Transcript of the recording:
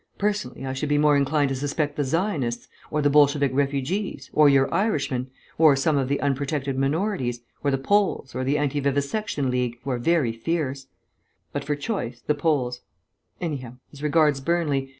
Personally I should be more inclined to suspect the Zionists, or the Bolshevik refugees, or your Irishmen, or some of the Unprotected Minorities, or the Poles, or the Anti Vivisection League, who are very fierce. But, for choice, the Poles; anyhow as regards Burnley.